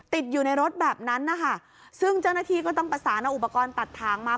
ติดอยู่ในรถแบบนั้นนะคะซึ่งเจ้าหน้าที่ก็ต้องประสานเอาอุปกรณ์ตัดทางมา